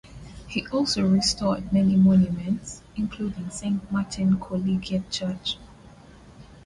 He also restored many monuments, including Saint Martin collegiate church.